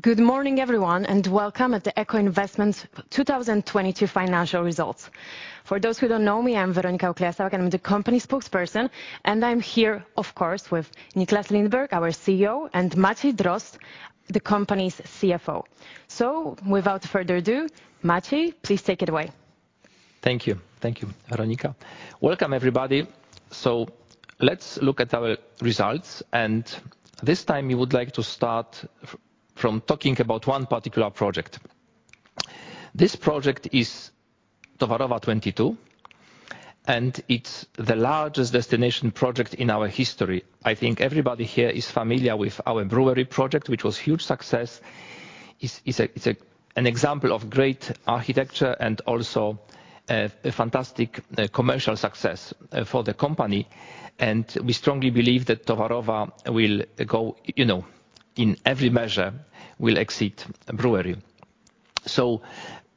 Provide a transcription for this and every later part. Good morning, everyone, welcome at the Echo Investment 2022 financial results. For those who don't know me, I'm Weronika Ukleja, I'm the company Spokesperson, I'm here, of course, with Nicklas Lindberg, our CEO, and Maciej Drozd, the company's CFO. Without further ado, Maciej, please take it away. Thank you. Thank you, Weronika. Welcome, everybody. Let's look at our results. This time we would like to start from talking about one particular project. This project is Towarowa 22, and it's the largest destination project in our history. I think everybody here is familiar with our Browary Warszawskie project, which was huge success. Is an example of great architecture and also a fantastic commercial success for the company. We strongly believe that Towarowa will go, you know, in every measure will exceed Browary Warszawskie.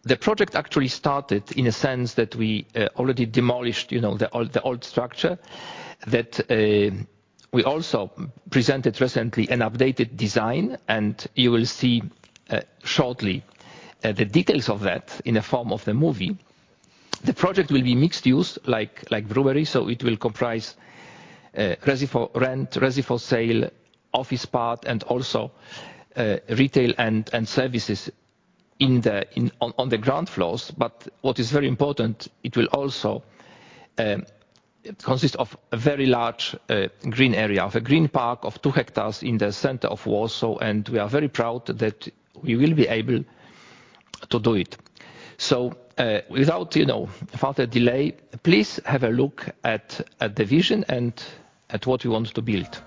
The project actually started in a sense that we already demolished, you know, the old structure that we also presented recently an updated design, and you will see shortly the details of that in the form of the movie. The project will be mixed use like brewery, so it will comprise Resi4Rent, resi for sale, office part, and also retail and services on the ground floors. What is very important, it will also consist of a very large green area, of a green park of 2 hectares in the center of Warsaw, and we are very proud that we will be able to do it. Without, you know, further delay, please have a look at the vision and at what we want to build.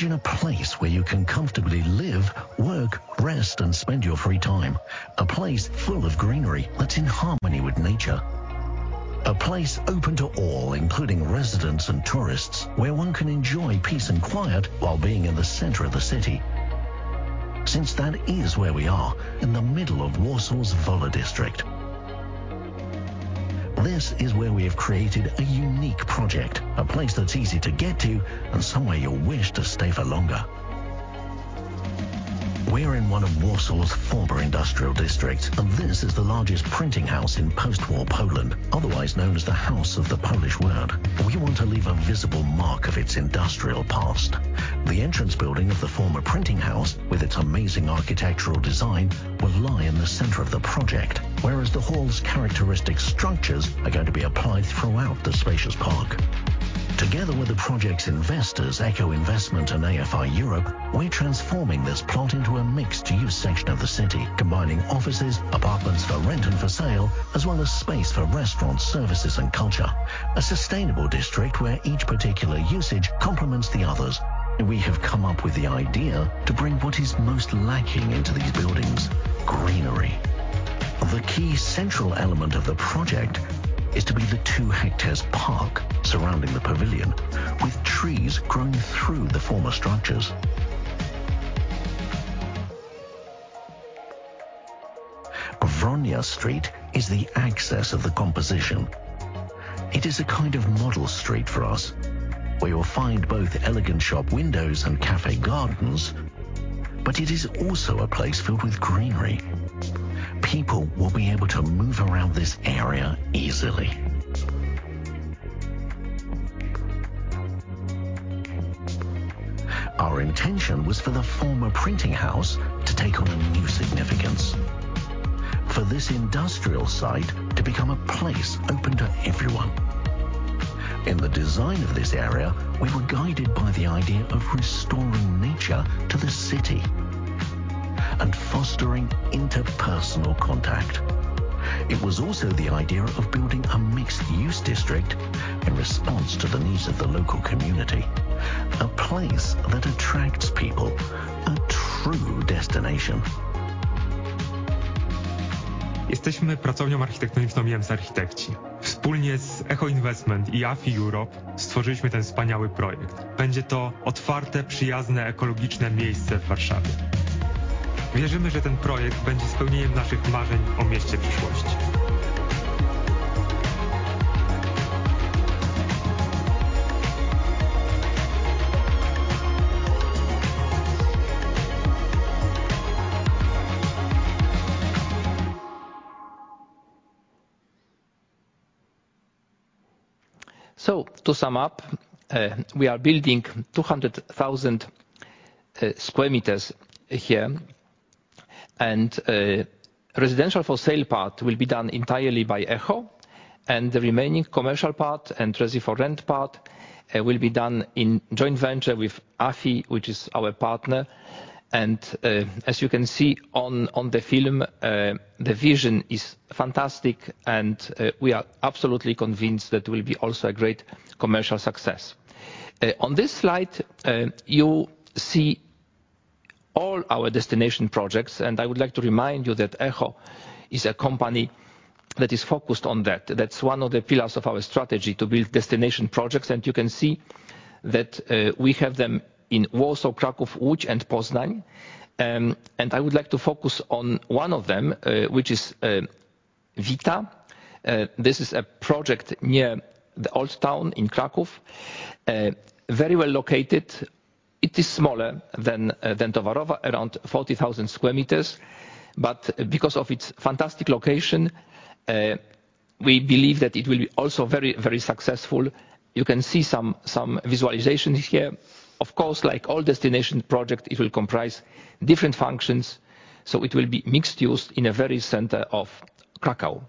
Imagine a place where you can comfortably live, work, rest, and spend your free time. A place full of greenery that's in harmony with nature. A place open to all, including residents and tourists, where one can enjoy peace and quiet while being in the center of the city. Since that is where we are, in the middle of Warsaw's Wola district. This is where we have created a unique project, a place that's easy to get to and somewhere you'll wish to stay for longer. We're in one of Warsaw's former industrial districts, and this is the largest printing house in post-war Poland, otherwise known as the House of the Polish Word. We want to leave a visible mark of its industrial past. The entrance building of the former printing house, with its amazing architectural design, will lie in the center of the project, whereas the hall's characteristic structures are going to be applied throughout the spacious park. Together with the project's investors, Echo Investment and AFI Europe, we're transforming this plot into a mixed-use section of the city, combining offices, apartments for rent and for sale, as well as space for restaurants, services, and culture. A sustainable district where each particular usage complements the others. We have come up with the idea to bring what is most lacking into these buildings: greenery. The key central element of the project is to be the 2 hectares park surrounding the pavilion, with trees growing through the former structures. Wronia Street is the access of the composition. It is a kind of model street for us, where you'll find both elegant shop windows and cafe gardens, but it is also a place filled with greenery. People will be able to move around this area easily. Our intention was for the former printing house to take on a new significance, for this industrial site to become a place open to everyone. In the design of this area, we were guided by the idea of restoring nature to the city and fostering interpersonal contact. It was also the idea of building a mixed use district in response to the needs of the local community, a place that attracts people, a true destination. To sum up, we are building 200,000 square meters here, and residential for sale part will be done entirely by Echo, and the remaining commercial part and resi for rent part will be done in joint venture with AFI, which is our partner. As you can see on the film, the vision is fantastic and we are absolutely convinced that it will be also a great commercial success. On this slide, you see all our destination projects, and I would like to remind you that Echo is a company that is focused on that. That's one of the pillars of our strategy to build destination projects. You can see that we have them in Warsaw, Kraków, Łódź, and Poznań. I would like to focus on one of them, which is Vita. This is a project near the old town in Kraków, very well located. It is smaller than Towarowa, around 40,000 square meters. Because of its fantastic location, we believe that it will be also very, very successful. You can see some visualization here. Of course, like all destination project, it will comprise different functions, so it will be mixed use in a very center of Kraków.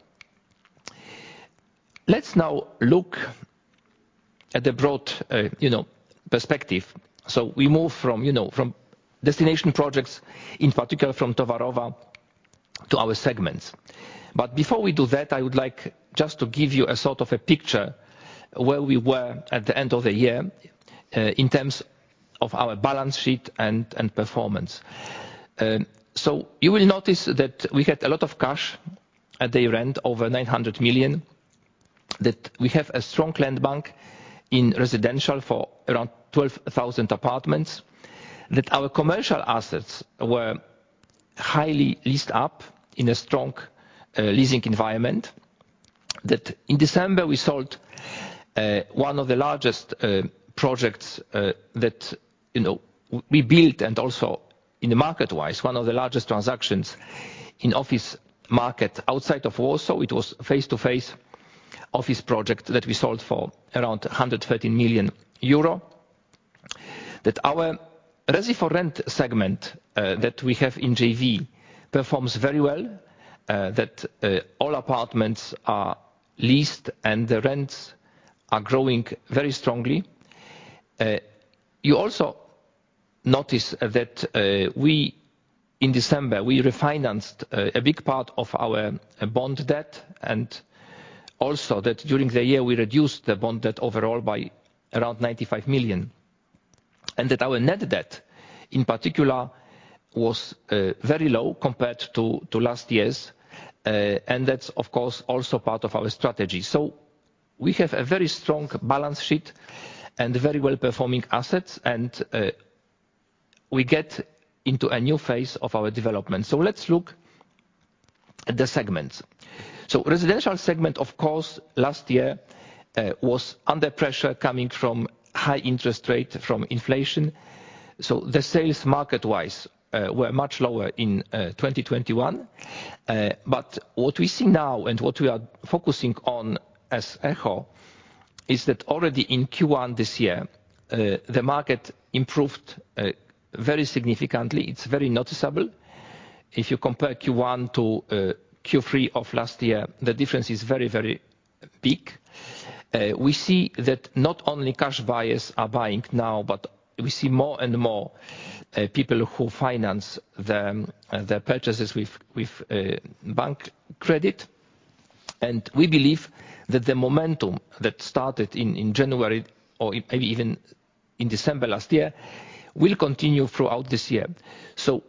Let's now look at the broad perspective. We move from destination projects, in particular from Towarowa to our segments. Before we do that, I would like just to give you a sort of a picture where we were at the end of the year, in terms of our balance sheet and performance. You will notice that we had a lot of cash at the end, over 900 million, that we have a strong land bank in residential for around 12,000 apartments. Our commercial assets were highly leased up in a strong leasing environment. In December, we sold one of the largest projects that, you know, we built and also in the market-wise, one of the largest transactions in office market outside of Warsaw. It was Face2Face office project that we sold for around 113 million euro. Our Resi4Rent segment that we have in JV performs very well, that all apartments are leased and the rents are growing very strongly. You also notice that we in December, we refinanced a big part of our bond debt, and also that during the year, we reduced the bond debt overall by around 95 million. Our net debt in particular was very low compared to last year's. That's of course, also part of our strategy. We have a very strong balance sheet and very well-performing assets, and we get into a new phase of our development. Let's look at the segments. Residential segment, of course, last year, was under pressure coming from high interest rate from inflation. The sales market-wise, were much lower in 2021. What we see now and what we are focusing on as Echo is that already in Q1 this year, the market improved very significantly. It's very noticeable. If you compare Q1 to Q3 of last year, the difference is very, very big. We see that not only cash buyers are buying now, but we see more and more people who finance their purchases with bank credit. We believe that the momentum that started in January or maybe even in December last year will continue throughout this year.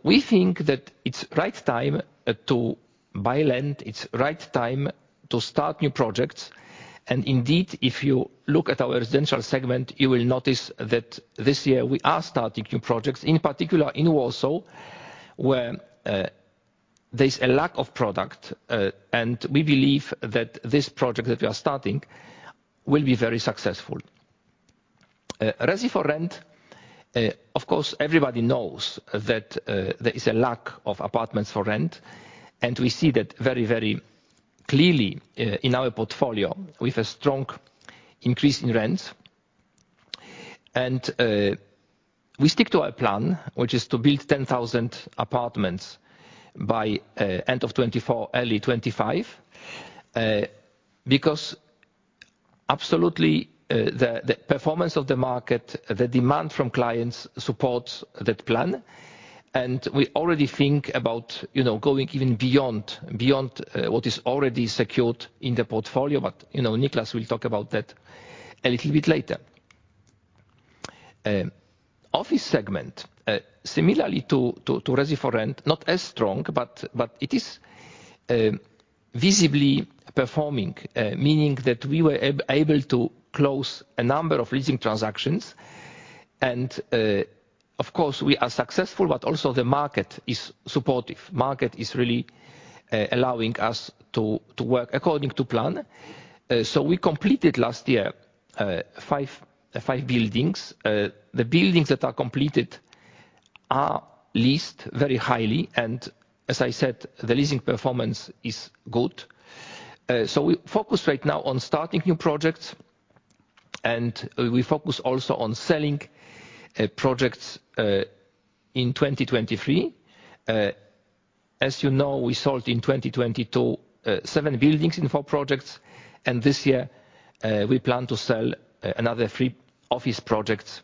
We think that it's right time to buy land, it's right time to start new projects. Indeed, if you look at our residential segment, you will notice that this year we are starting new projects, in particular in Warsaw, where there's a lack of product. We believe that this project that we are starting will be very successful. Resi4Rent, of course, everybody knows that there is a lack of apartments for rent, and we see that very, very clearly in our portfolio with a strong increase in rent. We stick to our plan, which is to build 10,000 apartments by end of 2024, early 2025, because absolutely, the performance of the market, the demand from clients supports that plan. We already think about, you know, going even beyond what is already secured in the portfolio. You know, Nicklas will talk about that a little bit later. Office segment, similarly to Resi4Rent, not as strong, but it is visibly performing, meaning that we were able to close a number of leasing transactions. Of course, we are successful, but also the market is supportive. Market is really allowing us to work according to plan. We completed last year 5 buildings. The buildings that are completed are leased very highly, and as I said, the leasing performance is good. We focus right now on starting new projects, and we focus also on selling projects in 2023. As you know, we sold in 2022 7 buildings in 4 projects, and this year, we plan to sell another 3 office projects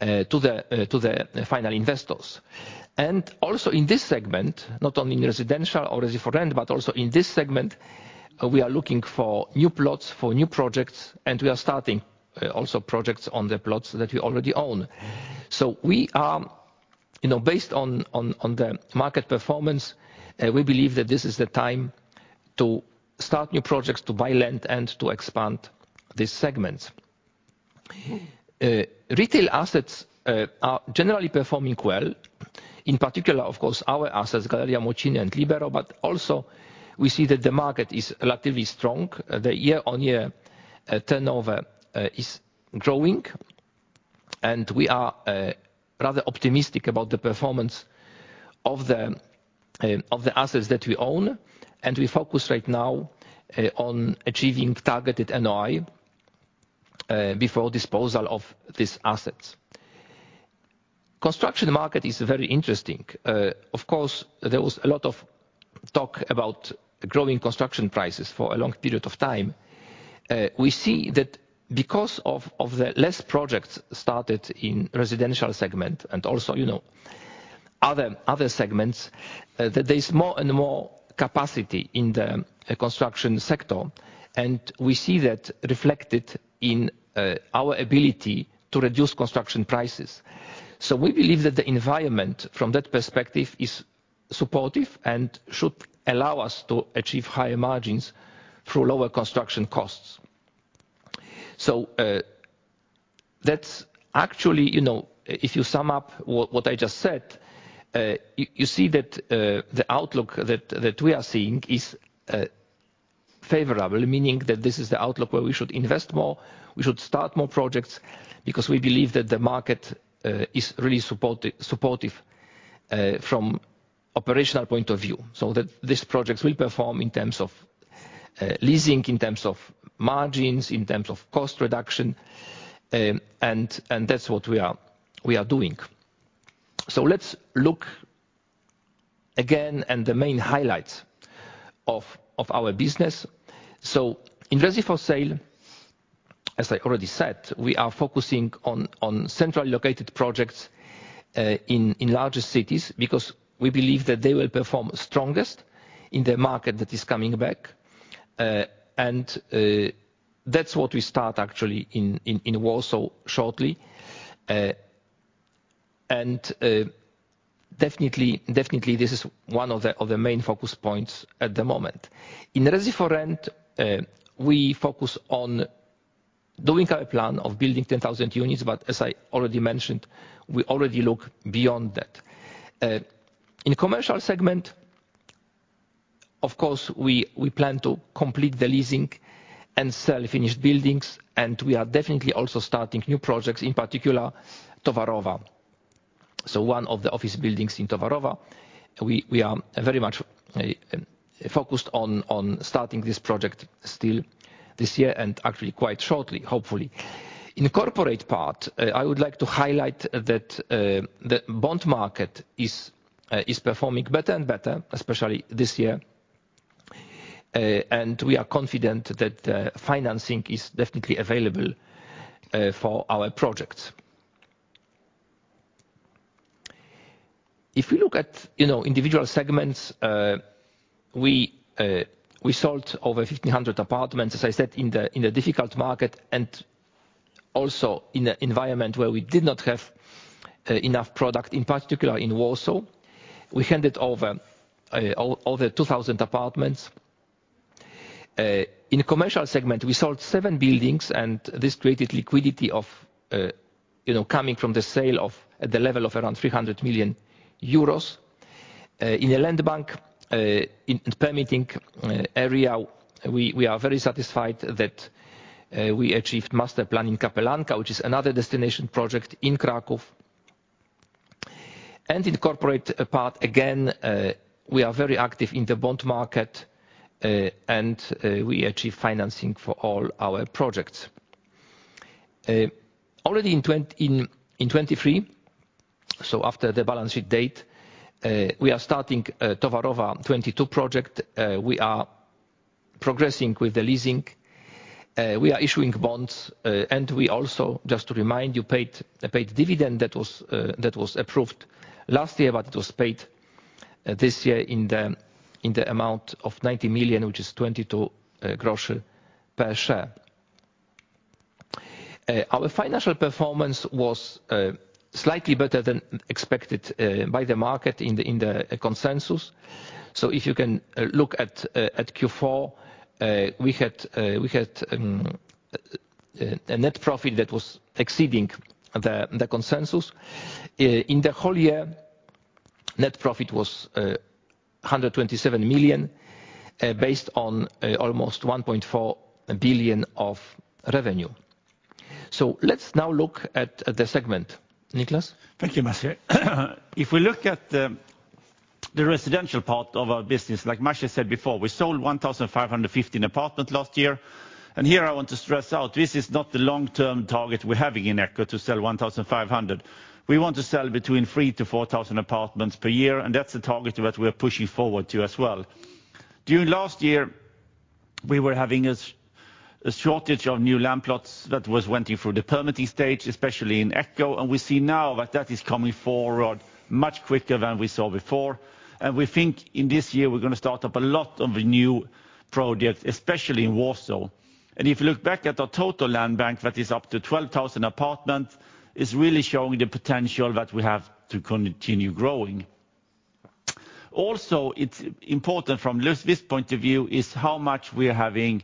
to the final investors. Also in this segment, not only in residential or Resi4Rent, but also in this segment, we are looking for new plots for new projects, and we are starting also projects on the plots that we already own. You know, based on the market performance, we believe that this is the time to start new projects, to buy land, and to expand these segments. Retail assets are generally performing well. In particular, of course, our assets, Galeria Mokotów and Libero, but also we see that the market is relatively strong. The year-on-year turnover is growing, and we are rather optimistic about the performance of the assets that we own, and we focus right now on achieving targeted NOI before disposal of these assets. Construction market is very interesting. Of course, there was a lot of talk about growing construction prices for a long period of time. We see that because of the less projects started in residential segment and also, you know, other segments, that there is more and more capacity in the construction sector, and we see that reflected in our ability to reduce construction prices. We believe that the environment from that perspective is supportive and should allow us to achieve higher margins through lower construction costs. That's actually, you know, if you sum up what I just said, you see that the outlook that we are seeing is favorable, meaning that this is the outlook where we should invest more, we should start more projects because we believe that the market is really supportive from operational point of view, so that these projects will perform in terms of leasing, in terms of margins, in terms of cost reduction, and that's what we are doing. Let's look again and the main highlights of our business. In resi for sale, as I already said, we are focusing on central located projects in larger cities because we believe that they will perform strongest in the market that is coming back. That's what we start actually in, in Warsaw shortly. Definitely this is one of the, of the main focus points at the moment. In Resi4Rent, we focus on doing our plan of building 10,000 units, but as I already mentioned, we already look beyond that. In commercial segment, of course we plan to complete the leasing and sell finished buildings, and we are definitely also starting new projects, in particular, Towarowa. One of the office buildings in Towarowa, we are very much focused on starting this project still this year and actually quite shortly, hopefully. In corporate part, I would like to highlight that the bond market is performing better and better, especially this year. We are confident that financing is definitely available for our projects. If you look at, you know, individual segments, we sold over 1,500 apartments, as I said, in the, in a difficult market and also in a environment where we did not have enough product, in particular in Warsaw. We handed over 2,000 apartments. In commercial segment, we sold 7 buildings and this created liquidity of, you know, coming from the sale of the level of around 300 million euros. In the land bank, in permitting, area, we are very satisfied that we achieved master planning Kapelanka, which is another destination project in Kraków. In corporate part, again, we are very active in the bond market, and we achieve financing for all our projects. Already in 2023, so after the balance sheet date, we are starting Towarowa 22 project. We are progressing with the leasing. We are issuing bonds. We also, just to remind you, paid a dividend that was approved last year, but it was paid this year in the amount of 90 million, which is 22 groszy per share. Our financial performance was slightly better than expected by the market in the consensus. If you can look at Q4, we had a net profit that was exceeding the consensus. In the whole year, net profit was 127 million, based on almost 1.4 billion of revenue. Let's now look at the segment. Nicklas? Thank you, Maciej. If we look at the residential part of our business, like Maciej said before, we sold 1,515 apartments last year. Here I want to stress out this is not the long-term target we're having in Echo to sell 1,500. We want to sell between 3,000-4,000 apartments per year, that's the target that we're pushing forward to as well. During last year, we were having a shortage of new land plots that was went through the permitting stage, especially in Echo. We see now that that is coming forward much quicker than we saw before. We think in this year we're gonna start up a lot of the new projects, especially in Warsaw. If you look back at our total land bank that is up to 12,000 apartments, it's really showing the potential that we have to continue growing. It's important from this point of view is how much we are having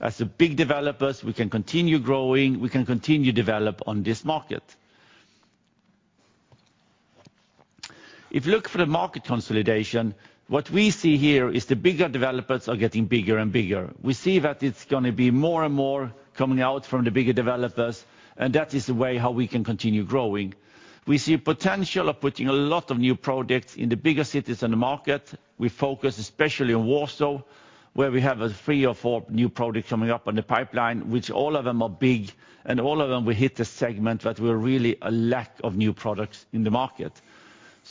as big developers, we can continue growing, we can continue to develop on this market. If you look for the market consolidation, what we see here is the bigger developers are getting bigger and bigger. We see that it's gonna be more and more coming out from the bigger developers, and that is the way how we can continue growing. We see potential of putting a lot of new products in the bigger cities in the market. We focus especially on Warsaw, where we have 3 or 4 new products coming up on the pipeline, which all of them are big, and all of them will hit the segment that were really a lack of new products in the market.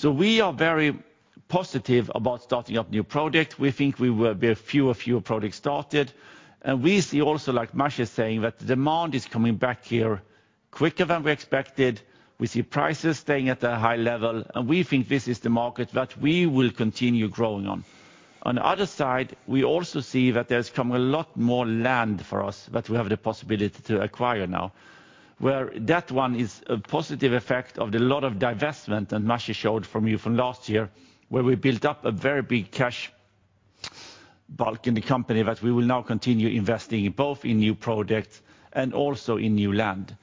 We are very positive about starting up new products. We think we will build fewer products started. We see also, like Maciej is saying, that demand is coming back here quicker than we expected. We see prices staying at a high level, and we think this is the market that we will continue growing on. On the other side, we also see that there's come a lot more land for us that we have the possibility to acquire now, where that one is a positive effect of the lot of divestment that Maciej showed from you from last year, where we built up a very big cash bulk in the company that we will now continue investing both in new products and also in new land.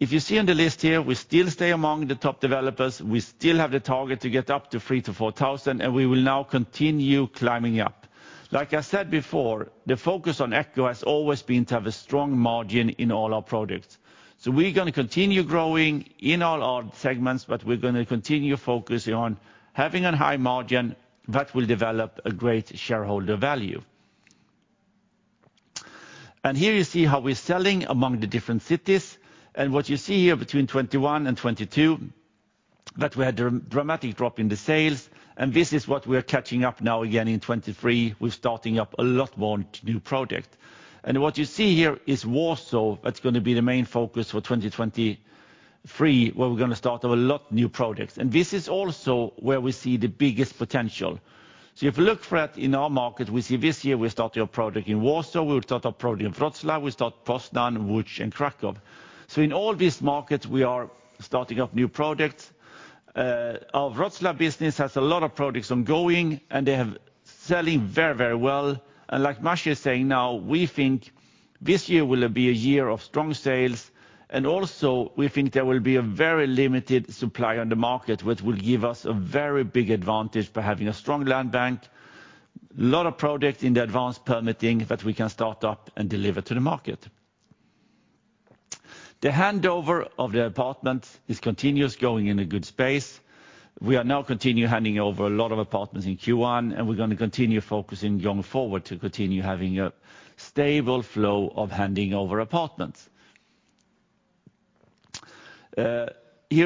If you see on the list here, we still stay among the top developers. We still have the target to get up to 3,000-4,000, we will now continue climbing up. Like I said before, the focus on Echo has always been to have a strong margin in all our products. We're gonna continue growing in all our segments, but we're gonna continue focusing on having a high margin that will develop a great shareholder value. Here you see how we're selling among the different cities. What you see here between 2021 and 2022, that we had a dramatic drop in the sales. This is what we are catching up now again in 2023. We're starting up a lot more new projects. What you see here is Warsaw. That's gonna be the main focus for 2023, where we're gonna start a lot new projects. This is also where we see the biggest potential. If you look for that in our market, we see this year we start a project in Warsaw, we'll start a project in Wrocław, we start Poznań, Łódź, and Kraków. In all these markets, we are starting up new products. Our Wrocław business has a lot of products ongoing, and they have selling very, very well. Like Maciej is saying now, we think this year will be a year of strong sales. Also we think there will be a very limited supply on the market, which will give us a very big advantage by having a strong land bank. Lot of products in the advanced permitting that we can start up and deliver to the market. The handover of the apartment is continuous, going in a good space. We are now continue handing over a lot of apartments in Q1, and we're gonna continue focusing going forward to continue having a stable flow of handing over apartments. Here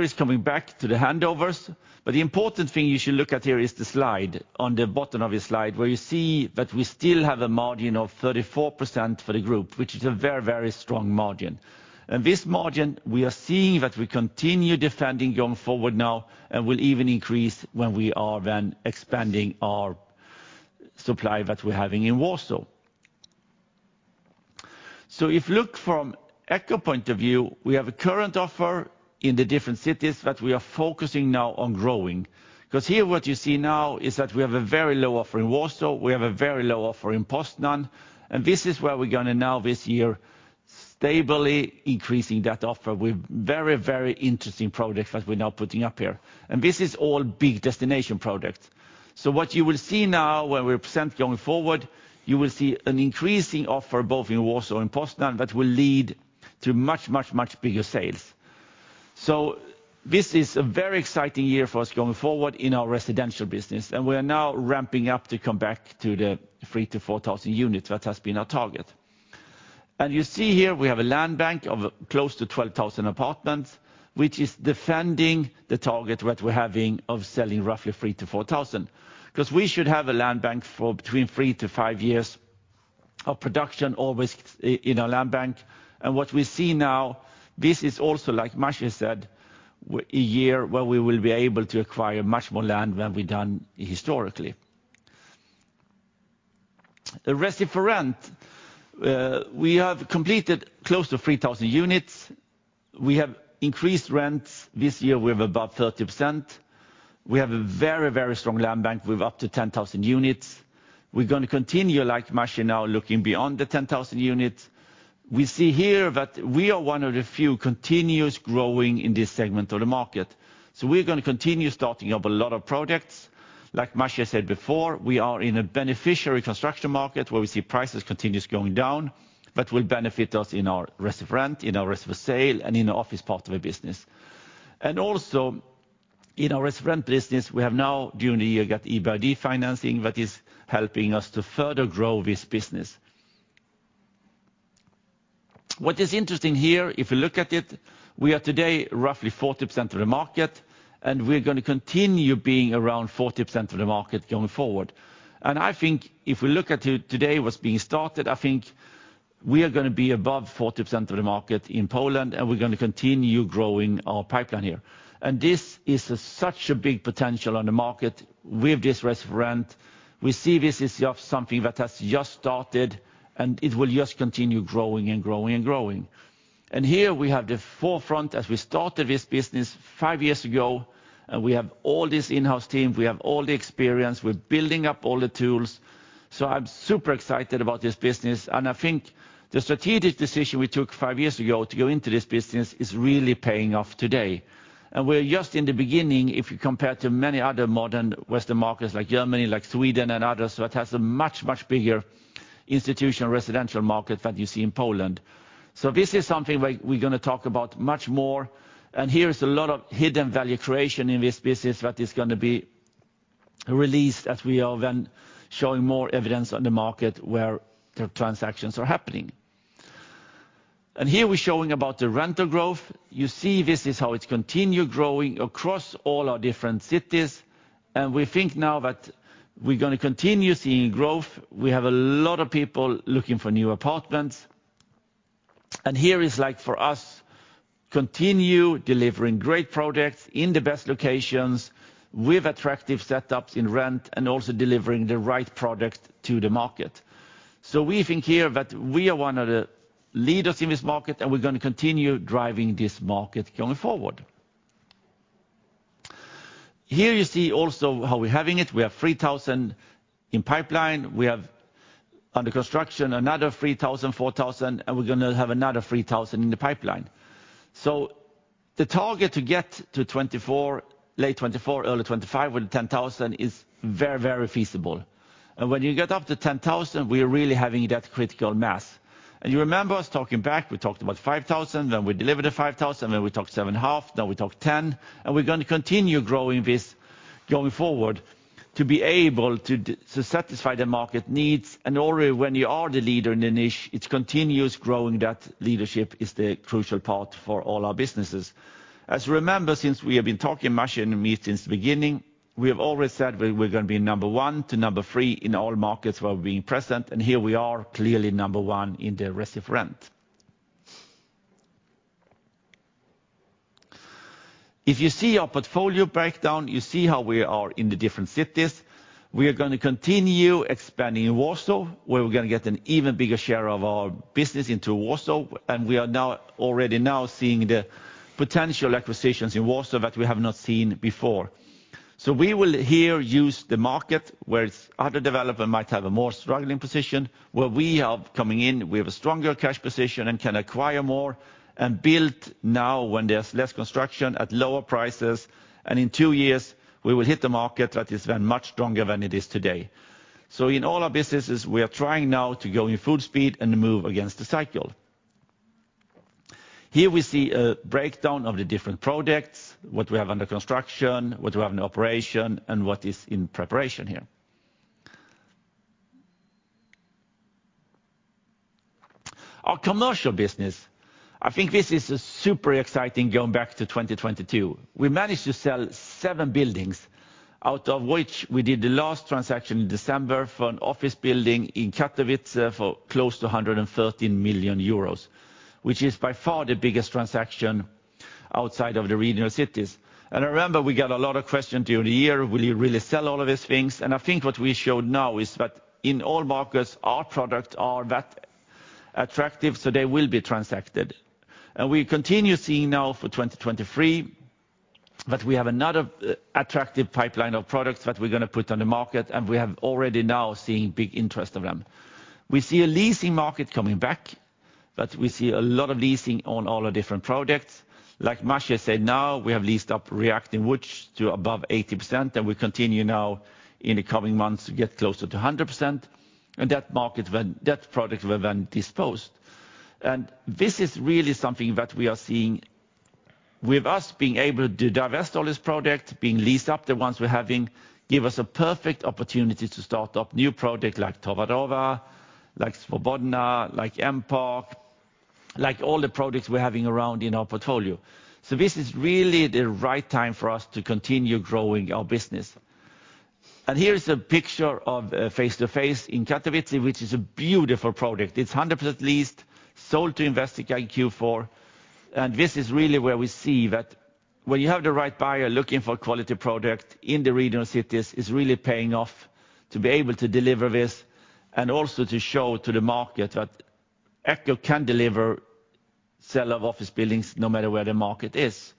is coming back to the handovers. The important thing you should look at here is the slide on the bottom of your slide, where you see that we still have a margin of 34% for the group, which is a very, very strong margin. This margin, we are seeing that we continue defending going forward now and will even increase when we are then expanding our supply that we're having in Warsaw. If you look from Echo point of view, we have a current offer in the different cities that we are focusing now on growing. 'Cause here what you see now is that we have a very low offer in Warsaw. We have a very low offer in Poznań. This is where we're gonna now this year, stably increasing that offer with very, very interesting products that we're now putting up here. This is all big destination products. What you will see now when we present going forward, you will see an increasing offer both in Warsaw and Poznań that will lead to much bigger sales. This is a very exciting year for us going forward in our residential business, we are now ramping up to come back to the 3,000-4,000 units that has been our target. You see here we have a land bank of close to 12,000 apartments, which is defending the target that we're having of selling roughly 3,000-4,000. 'Cause we should have a land bank for between 3 to 5 years of production always in our land bank. What we see now, this is also, like Maciej said, a year where we will be able to acquire much more land than we've done historically. The Resi4Rent, we have completed close to 3,000 units. We have increased rents. This year, we have above 30%. We have a very, very strong land bank with up to 10,000 units. We're gonna continue, like Maciej now, looking beyond the 10,000 units. We see here that we are one of the few continuous growing in this segment of the market. We're gonna continue starting up a lot of projects. Like Maciej said before, we are in a beneficiary construction market where we see prices continuous going down, but will benefit us in our Resi4Rent, in our Resi4Sale, and in the office part of the business. Also in our Resi4Rent business, we have now during the year got EBRD financing that is helping us to further grow this business. What is interesting here, if you look at it, we are today roughly 40% of the market, we're gonna continue being around 40% of the market going forward. I think if we look at it today what's being started, I think we are gonna be above 40% of the market in Poland, and we're gonna continue growing our pipeline here. This is such a big potential on the market with this Resi4Rent. We see this is of something that has just started, and it will just continue growing and growing and growing. Here we have the forefront as we started this business five years ago, and we have all this in-house team, we have all the experience, we're building up all the tools. I'm super excited about this business. I think the strategic decision we took 5 years ago to go into this business is really paying off today. We're just in the beginning, if you compare to many other modern Western markets like Germany, like Sweden and others, it has a much, much bigger institutional residential market than you see in Poland. This is something we're gonna talk about much more. Here is a lot of hidden value creation in this business that is gonna be released as we are then showing more evidence on the market where the transactions are happening. Here we're showing about the rental growth. You see this is how it's continued growing across all our different cities. We think now that we're gonna continue seeing growth. We have a lot of people looking for new apartments. Here is like for us, continue delivering great products in the best locations with attractive setups in rent, and also delivering the right product to the market. We think here that we are one of the leaders in this market, and we're gonna continue driving this market going forward. Here you see also how we're having it. We have 3,000 in pipeline. We have under construction, another 3,000, 4,000, and we're gonna have another 3,000 in the pipeline. The target to get to 2024, late 2024, early 2025 with 10,000 is very, very feasible. When you get up to 10,000, we are really having that critical mass. You remember us talking back, we talked about 5,000, then we delivered the 5,000, then we talked 7,500, now we talked 10,000. We're gonna continue growing this going forward to be able to to satisfy the market needs. Already when you are the leader in the niche, it continues growing. That leadership is the crucial part for all our businesses. As you remember, since we have been talking, Maciej and me, since the beginning, we have always said we're gonna be number one to number three in all markets where we're being present. Here we are clearly number one in the Resi Rent. If you see our portfolio breakdown, you see how we are in the different cities. We are gonna continue expanding in Warsaw, where we're gonna get an even bigger share of our business into Warsaw. We are already now seeing the potential acquisitions in Warsaw that we have not seen before. We will here use the market where it's other developer might have a more struggling position, where we are coming in, we have a stronger cash position and can acquire more and build now when there's less construction at lower prices. In two years, we will hit the market that is then much stronger than it is today. In all our businesses, we are trying now to go in full speed and move against the cycle. Here we see a breakdown of the different products, what we have under construction, what we have in operation, and what is in preparation here. Our commercial business, I think this is super exciting going back to 2022. We managed to sell seven buildings, out of which we did the last transaction in December for an office building in Katowice for close to 113 million euros, which is by far the biggest transaction outside of the regional cities. I remember we got a lot of questions during the year, will you really sell all of these things? I think what we showed now is that in all markets, our products are that attractive, so they will be transacted. We continue seeing now for 2023 that we have another attractive pipeline of products that we're gonna put on the market, and we have already now seen big interest of them. We see a leasing market coming back, but we see a lot of leasing on all our different products. Like Maciej said, now we have leased up React in Łódź to above 80%, we continue now in the coming months to get closer to 100%. That product will then disposed. This is really something that we are seeing with us being able to divest all this product, being leased up, the ones we're having, give us a perfect opportunity to start up new product like Towarowa, like Swobodna, like M-Park, like all the products we're having around in our portfolio. This is really the right time for us to continue growing our business. Here is a picture of Face2Face in Katowice, which is a beautiful product. It's 100% leased, sold to investor in Q4. This is really where we see that when you have the right buyer looking for quality product in the regional cities, it's really paying off to be able to deliver this and also to show to the market that Echo can deliver sale of office buildings no matter where the market is.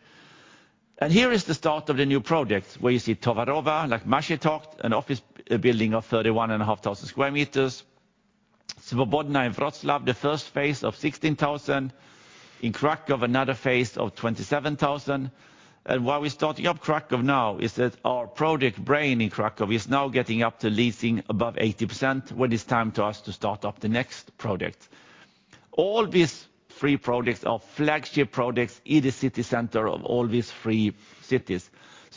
Here is the start of the new project, where you see Towarowa, like Maciej talked, an office building of 31.5 thousand square meters. Swobodna we've got the first phase of 16,000. In Kraków, another phase of 27,000. Why we're starting up Kraków now is that our project Brain in Kraków is now getting up to leasing above 80%, when it's time to us to start up the next project. All these three projects are flagship projects in the city center of all these three cities.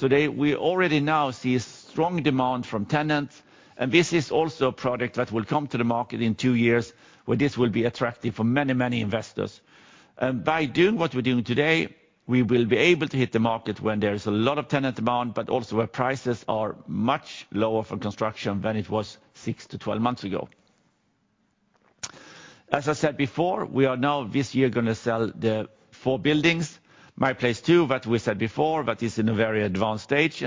We already now see strong demand from tenants. This is also a project that will come to the market in two years, where this will be attractive for many, many investors. By doing what we're doing today, we will be able to hit the market when there is a lot of tenant demand, but also where prices are much lower for construction than it was 6-12 months ago. As I said before, we are now this year going to sell the four buildings. My Place II that we said before, that is in a very advanced stage,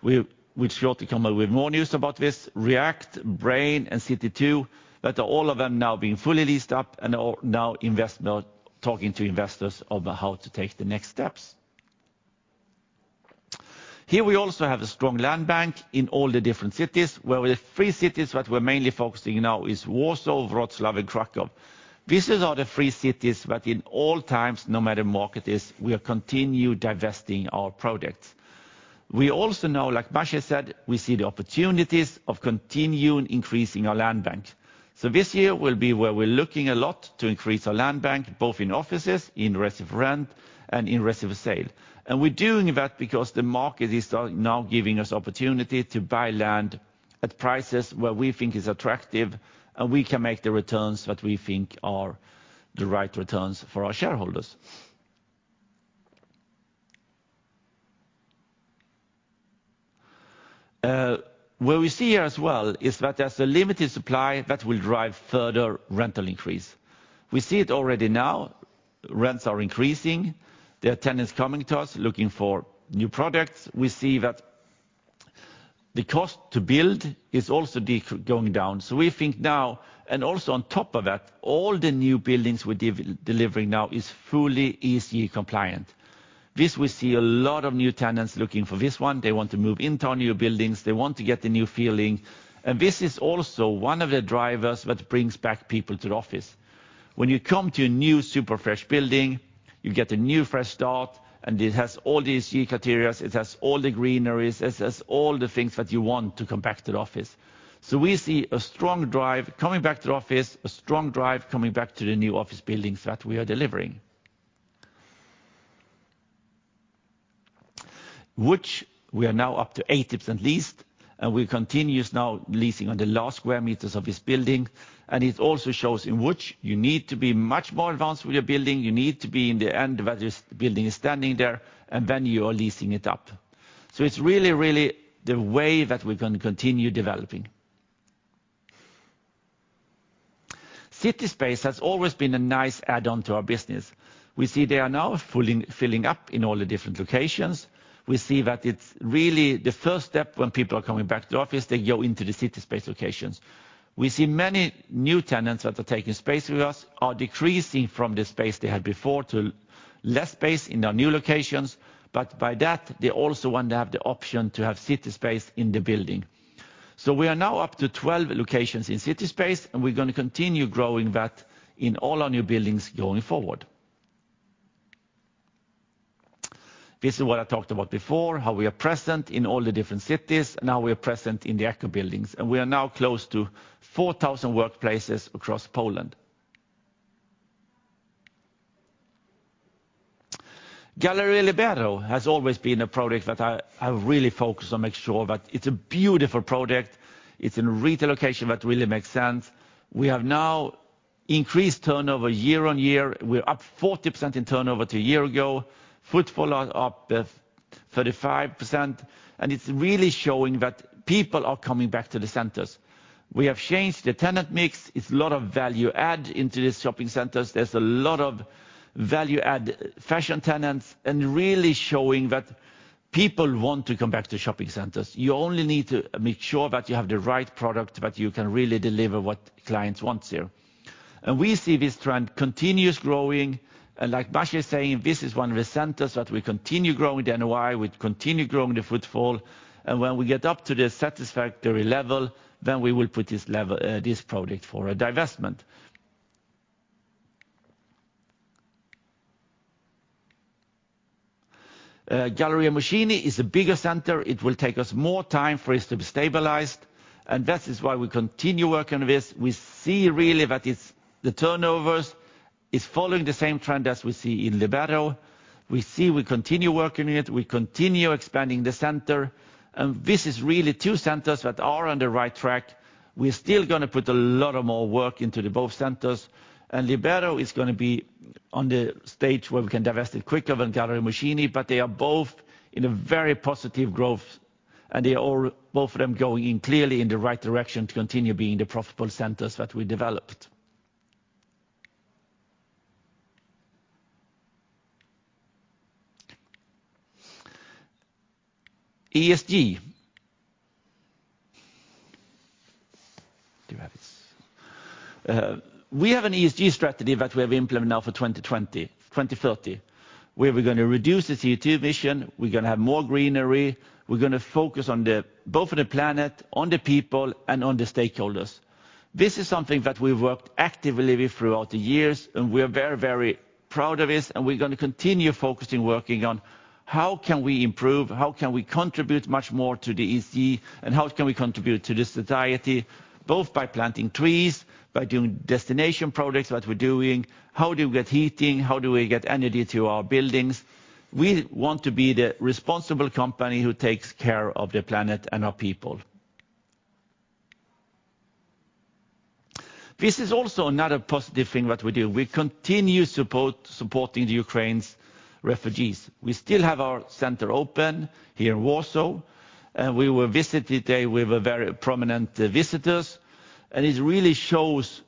we'd shortly come up with more news about this. React, Brain, and City 2, that all of them now being fully leased up and all now talking to investors about how to take the next steps. Here we also have a strong land bank in all the different cities, where the three cities that we're mainly focusing now is Warsaw, Wrocław, and Kraków. These are the three cities that in all times, no matter market is, we'll continue divesting our products. We also know, like Basia said, we see the opportunities of continuing increasing our land bank. This year will be where we're looking a lot to increase our land bank, both in offices, in lease of rent, and in lease of sale. We're doing that because the market is now giving us opportunity to buy land at prices where we think is attractive, and we can make the returns that we think are the right returns for our shareholders. What we see here as well is that there's a limited supply that will drive further rental increase. We see it already now. Rents are increasing. There are tenants coming to us looking for new products. We see that the cost to build is also going down. We think now, and also on top of that, all the new buildings we're delivering now is fully ESG compliant. This we see a lot of new tenants looking for this one. They want to move into our new buildings. They want to get the new feeling. This is also one of the drivers that brings back people to the office. When you come to a new super fresh building, you get a new fresh start, and it has all these ESG criteria. It has all the greeneries. It has all the things that you want to come back to the office. We see a strong drive coming back to the office, a strong drive coming back to the new office buildings that we are delivering. We are now up to 80% leased, and we continue now leasing on the last square meters of this building. It also shows in which you need to be much more advanced with your building. You need to be in the end where this building is standing there, and then you are leasing it up. It's really the way that we're gonna continue developing. CitySpace has always been a nice add-on to our business. We see they are now filling up in all the different locations. We see that it's really the first step when people are coming back to the office, they go into the CitySpace locations. We see many new tenants that are taking space with us are decreasing from the space they had before to less space in our new locations. By that, they also want to have the option to have CitySpace in the building. We are now up to 12 locations in CitySpace, and we're gonna continue growing that in all our new buildings going forward. This is what I talked about before, how we are present in all the different cities. Now we are present in the Aequo buildings, and we are now close to 4,000 workplaces across Poland. Galeria Libero has always been a project that I really focus on make sure that it's a beautiful project. It's in retail location that really makes sense. We have now increased turnover year-on-year. We're up 40% in turnover to a year ago. Footfall are up 35%. It's really showing that people are coming back to the centers. We have changed the tenant mix. It's a lot of value add into the shopping centers. There's a lot of value add fashion tenants and really showing that people want to come back to shopping centers. You only need to make sure that you have the right product, that you can really deliver what clients want here. We see this trend continues growing. Like Basia is saying, this is one of the centers that we continue growing the NOI, we continue growing the footfall. When we get up to the satisfactory level, then we will put this product for a divestment. Galeria Mokotów is a bigger center. It will take us more time for it to be stabilized. That is why we continue working on this. We see really that it's the turnovers is following the same trend as we see in Libero. We see we continue working it, we continue expanding the center. This is really two centers that are on the right track. We're still gonna put a lot of more work into the both centers. Libero is gonna be on the stage where we can divest it quicker than Galeria Mokotów, but they are both in a very positive growth, and they are all, both of them going in clearly in the right direction to continue being the profitable centers that we developed. ESG. Do you have this? We have an ESG strategy that we have implemented now for 2030, where we're gonna reduce the CO2 emission, we're gonna have more greenery, we're gonna focus both on the planet, on the people, and on the stakeholders. This is something that we've worked actively with throughout the years, and we are very proud of this, and we're gonna continue focusing working on how can we improve, how can we contribute much more to the ESG, and how can we contribute to the society, both by planting trees, by doing destination products that we're doing. How do we get heating? How do we get energy to our buildings? We want to be the responsible company who takes care of the planet and our people. This is also another positive thing that we do. We continue supporting the Ukraine's refugees. We still have our center open here in Warsaw. We were visited there. We were very prominent visitors. It really shows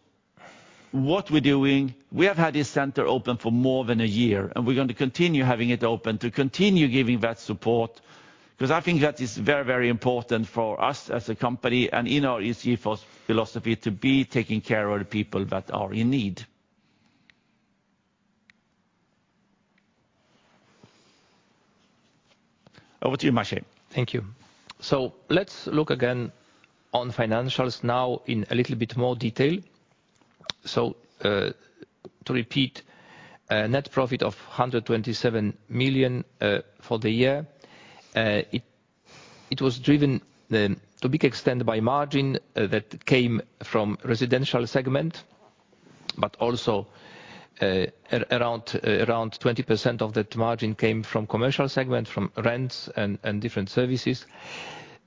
what we're doing. We have had this center open for more than a year, and we're going to continue having it open to continue giving that support because I think that is very, very important for us as a company and in our ESG philosophy to be taking care of the people that are in need. Over to you, Maciej. Thank you. Let's look again on financials now in a little bit more detail. To repeat, a net profit of 127 million for the year. It was driven then to big extent by margin that came from residential segment, but also, around 20% of that margin came from commercial segment, from rents and different services.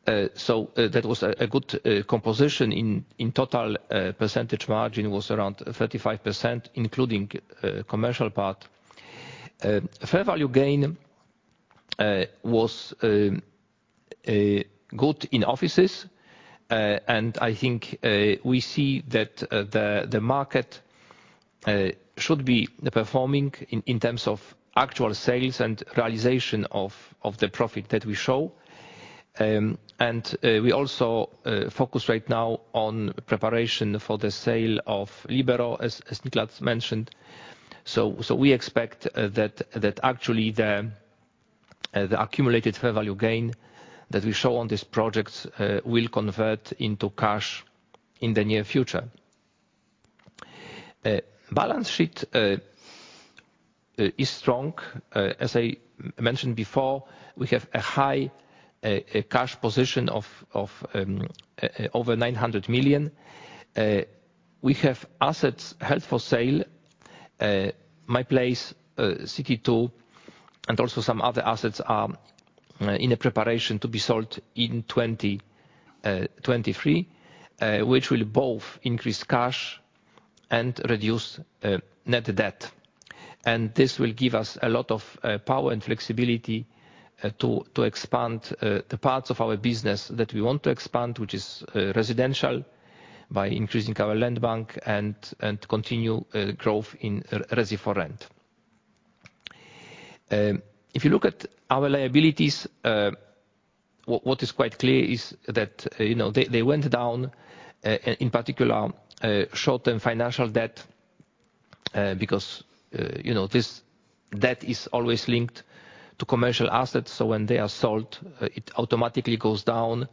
That was a good composition in total, percentage margin was around 35%, including commercial part. Fair value gain was good in offices. I think we see that the market should be performing in terms of actual sales and realization of the profit that we show. We also focus right now on preparation for the sale of Libero, as Nicklas mentioned. We expect that actually the accumulated fair value gain that we show on this project will convert into cash in the near future. Balance sheet is strong. As I mentioned before, we have a high cash position of over 900 million. We have assets held for sale, My Place, City 2, and also some other assets in the preparation to be sold in 2023, which will both increase cash and reduce net debt. This will give us a lot of power and flexibility to expand the parts of our business that we want to expand, which is residential, by increasing our land bank and continue growth in Resi4Rent. If you look at our liabilities, what is quite clear is that, you know, they went down in particular short-term financial debt, because, you know, this debt is always linked to commercial assets. When they are sold, it automatically goes down.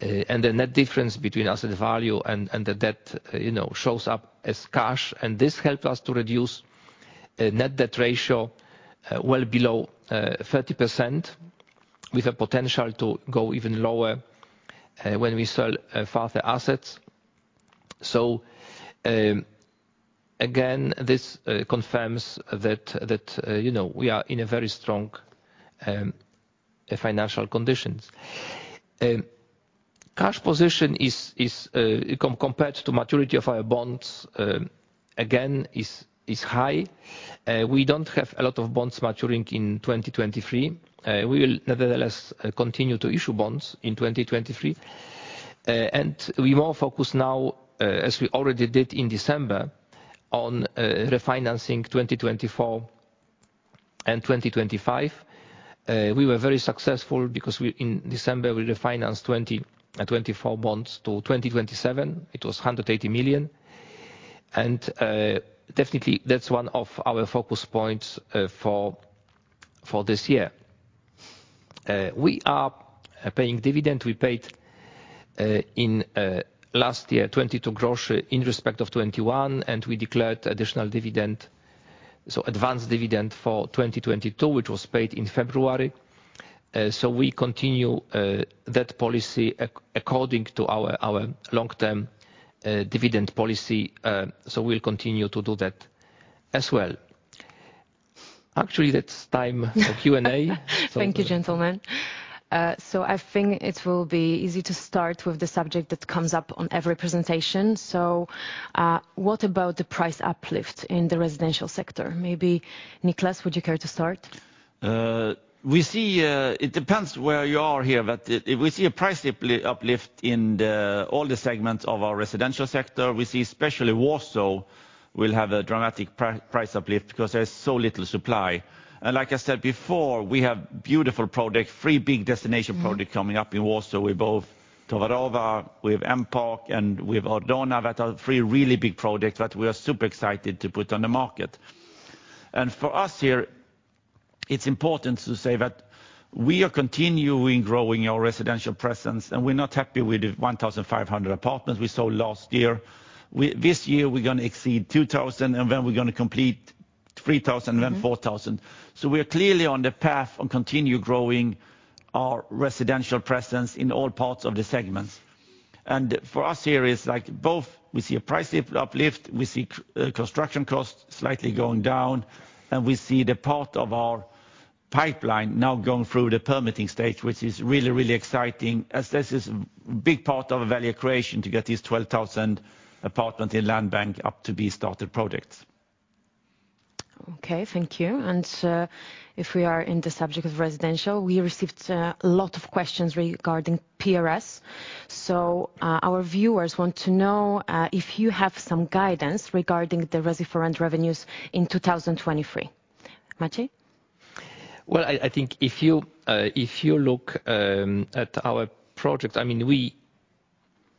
The net difference between asset value and the debt, you know, shows up as cash. This helped us to reduce the net debt ratio well below 30%, with a potential to go even lower when we sell further assets. Again, this confirms that, you know, we are in a very strong financial conditions. Cash position is compared to maturity of our bonds, again, is high. We don't have a lot of bonds maturing in 2023. We will nevertheless continue to issue bonds in 2023. We are more focused now, as we already did in December on refinancing 2024 and 2025. We were very successful because in December we refinanced 20 2024 bonds to 2027. It was 180 million. Definitely, that's one of our focus points for this year. We are paying dividend. We paid last year 0.22 in respect of 2021. We declared additional dividend, so advanced dividend for 2022, which was paid in February. We continue that policy according to our long-term dividend policy. We'll continue to do that as well. Actually, that's time for Q&A. Thank you, gentlemen. I think it will be easy to start with the subject that comes up on every presentation. What about the price uplift in the residential sector? Maybe Nicklas, would you care to start? We see. It depends where you are here. We see a price uplift in the all the segments of our residential sector. We see especially Warsaw will have a dramatic price uplift because there's so little supply. Like I said before, we have beautiful project, three big destination project coming up in Warsaw. We're both Towarowa, we have M-Park, and we have Ordona. That are three really big projects that we are super excited to put on the market. For us here, it's important to say that we are continuing growing our residential presence, and we're not happy with the 1,500 apartments we sold last year. This year we're gonna exceed 2,000, and then we're gonna complete 3,000, then 4,000. We are clearly on the path on continue growing our residential presence in all parts of the segments. For us here is like both we see a price uplift, we see construction costs slightly going down, and we see the part of our pipeline now going through the permitting stage, which is really, really exciting as this is big part of a value creation to get these 12,000 apartment in land bank up to be started projects. Okay, thank you. If we are in the subject of residential, we received a lot of questions regarding PRS. Our viewers want to know if you have some guidance regarding the Resi4Rent revenues in 2023. Maciej? Well, I think if you, if you look at our project, I mean, we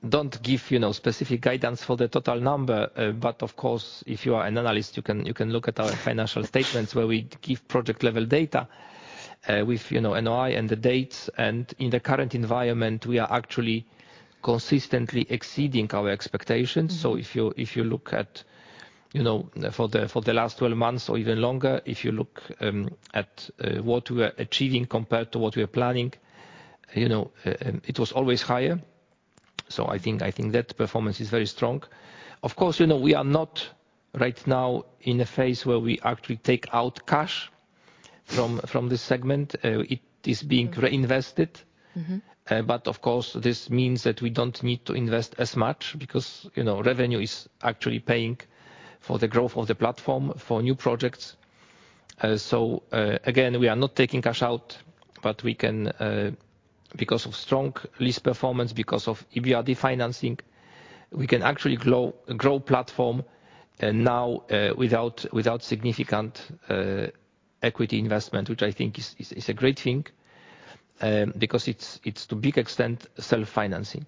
don't give, you know, specific guidance for the total number. Of course, if you are an analyst, you can look at our financial statements where we give project-level data, with, you know, NOI and the dates. In the current environment, we are actually consistently exceeding our expectations. If you look at, you know, for the, for the last 12 months or even longer, if you look at what we are achieving compared to what we are planning, you know, it was always higher. I think that performance is very strong. Of course, you know, we are not right now in a phase where we actually take out cash from this segment. It is being reinvested. Mm-hmm. Of course this means that we don't need to invest as much because, you know, revenue is actually paying for the growth of the platform for new projects. Again, we are not taking cash out, but we can, because of strong lease performance, because of EBRD financing, we can actually grow platform, and now, without significant equity investment, which I think is, is a great thing, because it's to big extent self-financing.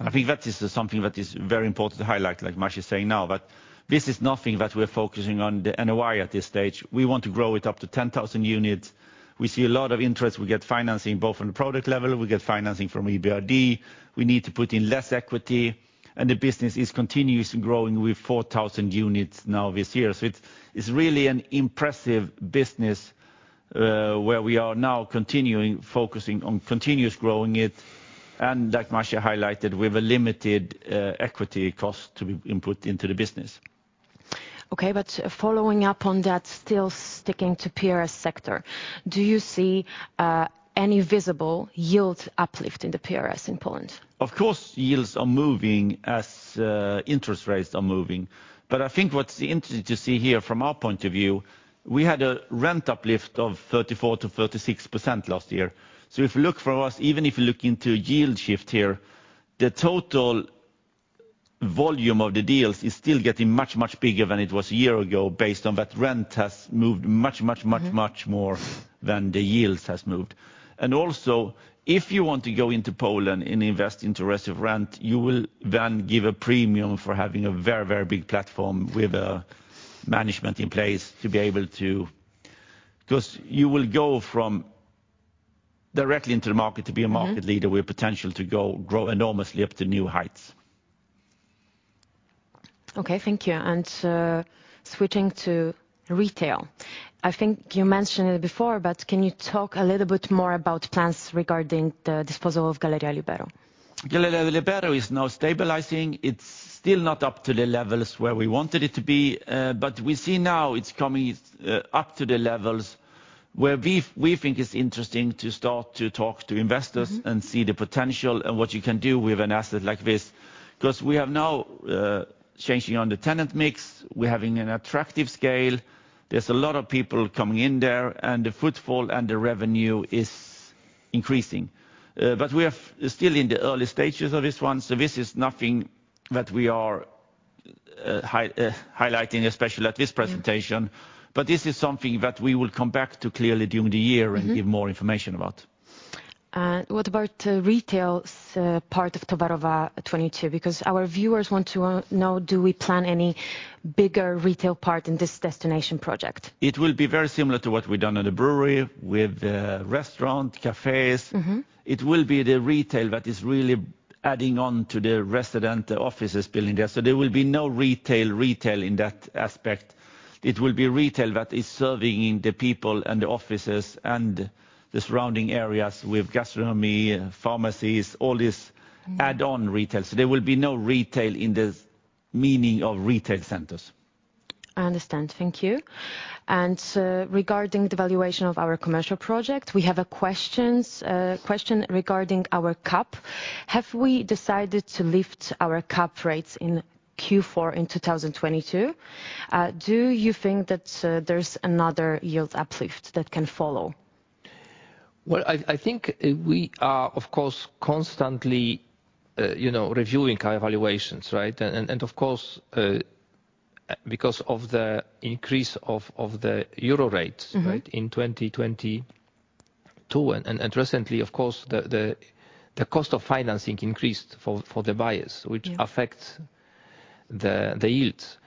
I think that is something that is very important to highlight, like Maciej is saying now, but this is nothing that we're focusing on the NOI at this stage. We want to grow it up to 10,000 units. We see a lot of interest. We get financing both on the product level, we get financing from EBRD, we need to put in less equity, the business is continuously growing with 4,000 units now this year. So it's really an impressive business, where we are now continuing focusing on continuous growing it. Like Maciej highlighted, we've a limited equity cost to be input into the business. Okay. Following up on that, still sticking to PRS sector, do you see any visible yield uplift in the PRS in Poland? Of course, yields are moving as interest rates are moving. I think what's interesting to see here from our point of view, we had a rent uplift of 34%-36% last year. If you look for us, even if you look into yield shift here, the total volume of the deals is still getting much bigger than it was a year ago based on that rent has moved much. Mm-hmm... much more than the yields has moved. Also, if you want to go into Poland and invest into Resi4Rent, you will then give a premium for having a very, very big platform with a management in place to be able to... You will go from directly into the market to be a market leader- Mm-hmm With potential to go, grow enormously up to new heights. Okay. Thank you. Switching to retail. I think you mentioned it before, but can you talk a little bit more about plans regarding the disposal of Galeria Libero? Galeria Libero is now stabilizing. It's still not up to the levels where we wanted it to be, but we see now it's coming up to the levels where we think it's interesting to start to talk to investors. Mm-hmm and see the potential and what you can do with an asset like this. We have now changing on the tenant mix, we're having an attractive scale. There's a lot of people coming in there, and the footfall and the revenue is increasing. We are still in the early stages of this one, this is nothing that we are highlighting, especially at this presentation. Yeah. This is something that we will come back to clearly during the year. Mm-hmm... and give more information about. What about retails part of Towarowa 22? Our viewers want to know, do we plan any bigger retail part in this destination project? It will be very similar to what we've done on the Brewery with restaurant, cafes. Mm-hmm. It will be the retail that is really adding on to the resident offices building there. There will be no retail in that aspect. It will be retail that is serving the people and the offices and the surrounding areas with gastronomy, pharmacies, all this add-on retail. There will be no retail in the meaning of retail centers. I understand. Thank you. Regarding the valuation of our commercial project, we have a question regarding our cap. Have we decided to lift our cap rates in Q4 in 2022? Do you think that there's another yield uplift that can follow? Well, I think we are, of course, constantly, you know, reviewing our evaluations, right? Of course, because of the increase of the Euro rate- Mm-hmm... right, in 2022. Recently, of course, the cost of financing increased for the buyers- Yeah... which affects the yields.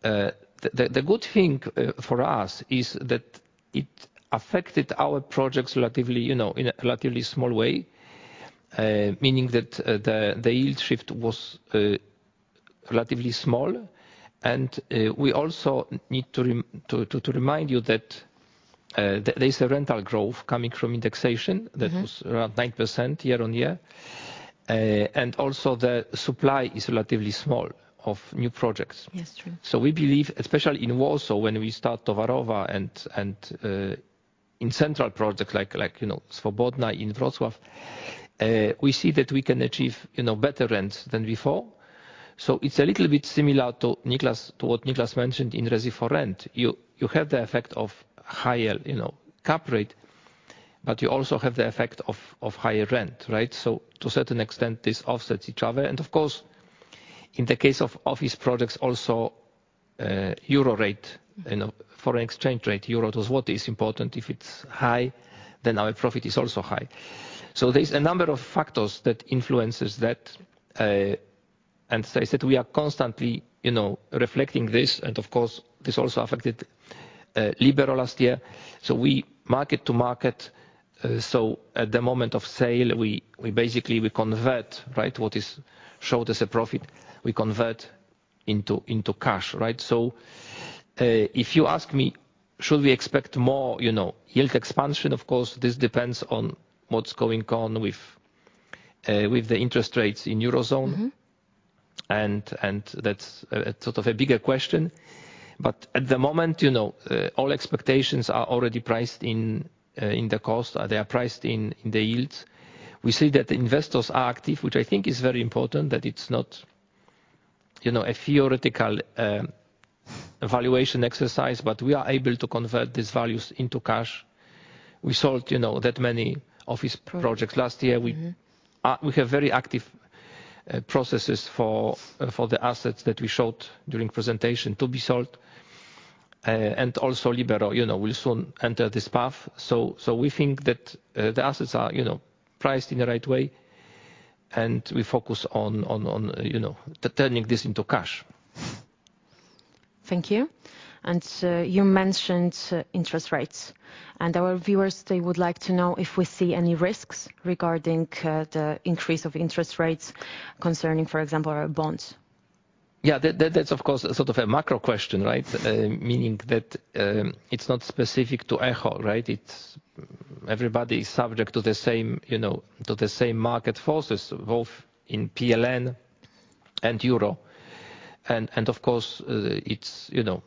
The, the good thing for us is that it affected our projects relatively, you know, in a relatively small way, meaning that the yield shift was relatively small. We also need to remind you that there's a rental growth coming from indexation. Mm-hmm that was around 9% year-on-year. Also, the supply is relatively small of new projects. Yes, true. We believe, especially in Warsaw when we start Towarowa and, in central projects like, you know, Swobodna in Wrocław, we see that we can achieve, you know, better rents than before. It's a little bit similar to Nicklas, to what Nicklas mentioned in Resi4Rent. You have the effect of higher, you know, cap rate. But you also have the effect of higher rent, right? To a certain extent, this offsets each other. Of course, in the case of office products also, euro rate, you know, foreign exchange rate, euro to zloty is important. If it's high, then our profit is also high. There's a number of factors that influences that. As I said, we are constantly, you know, reflecting this and of course this also affected Libero last year. We market to market, so at the moment of sale, we basically convert, right? What is showed as a profit, we convert into cash, right? If you ask me, should we expect more, you know, yield expansion, of course this depends on what's going on with the interest rates in Eurozone. Mm-hmm. That's sort of a bigger question. At the moment, you know, all expectations are already priced in in the cost, they are priced in in the yields. We see that investors are active, which I think is very important that it's not, you know, a theoretical valuation exercise, but we are able to convert these values into cash. We sold, you know, that many office projects last year. Mm-hmm. We have very active processes for the assets that we showed during presentation to be sold. And also Libero, you know, will soon enter this path. So we think that the assets are, you know, priced in the right way and we focus on, you know, turning this into cash. Thank you. And, you mentioned interest rates. Our viewers, they would like to know if we see any risks regarding the increase of interest rates concerning, for example, our bonds? Yeah. That's of course sort of a macro question, right? Meaning that, it's not specific to Echo, right? It's everybody is subject to the same, you know, to the same market forces, both in PLN and euro. Of course, it's, you know,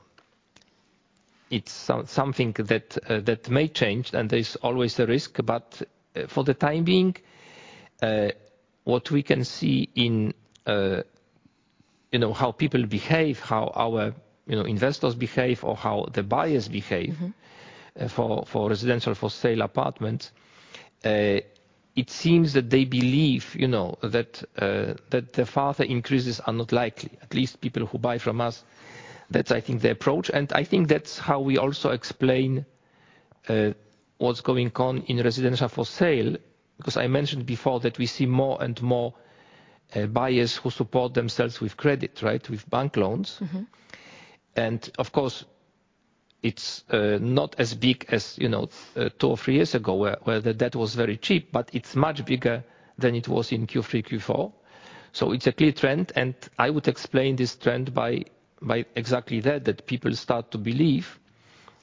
it's something that may change and there's always a risk. For the time being, what we can see in, you know, how people behave, how our, you know, investors behave or how the buyers behave. Mm-hmm... for residential for sale apartments, it seems that they believe, you know, that the further increases are not likely, at least people who buy from us. That's I think the approach, and I think that's how we also explain what's going on in residential for sale. I mentioned before that we see more and more buyers who support themselves with credit, right? With bank loans. Mm-hmm. Of course it's not as big as, you know, two or three years ago where the debt was very cheap, but it's much bigger than it was in Q3, Q4. It's a clear trend, and I would explain this trend by exactly that people start to believe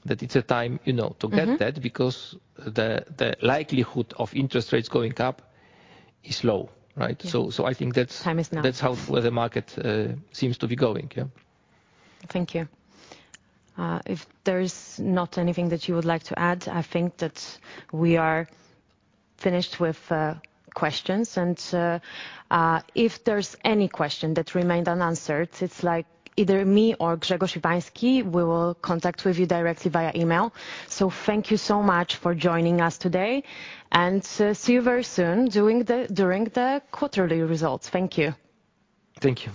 that it's a time, you know, to get. Mm-hmm... because the likelihood of interest rates going up is low, right? Yeah. I think. Time is now.... that's how the market seems to be going. Yeah. Thank you. If there's not anything that you would like to add, I think that we are finished with questions. If there's any question that remained unanswered, it's like either me or Grzegorz Iwański, we will contact with you directly via email. Thank you so much for joining us today, and see you very soon during the quarterly results. Thank you. Thank you.